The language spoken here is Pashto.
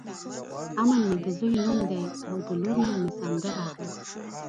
امن مې د ځوی نوم دی د لور نوم مې سندره ده.